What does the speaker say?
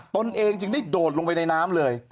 ตนเองจึงได้โดดลงไปในน้ำเลย